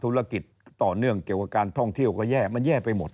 ธุรกิจต่อเนื่องเกี่ยวกับการท่องเที่ยวก็แย่มันแย่ไปหมด